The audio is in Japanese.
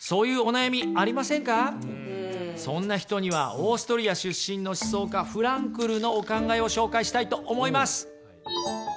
オーストリア出身の思想家フランクルのお考えを紹介したいと思います。